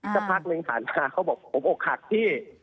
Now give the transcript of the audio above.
สักพักหนึ่งผ่านมาเขาบอกผมอกหักพี่